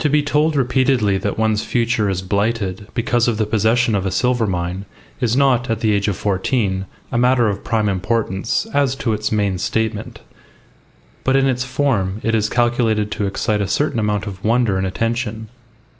To be told repeatedly that one's future is blighted because of the possession of a silver mine is not, at the age of fourteen, a matter of prime importance as to its main statement; but in its form it is calculated to excite a certain amount of wonder and attention.